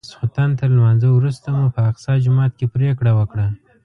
د ماسختن تر لمانځه وروسته مو په اقصی جومات کې پرېکړه وکړه.